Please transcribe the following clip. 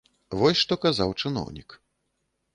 Вось што казаў чыноўнік.